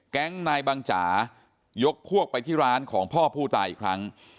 นายบังจ๋ายกพวกไปที่ร้านของพ่อผู้ตายอีกครั้ง